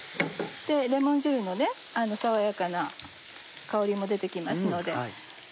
レモン汁の爽やかな香りも出て来ますので。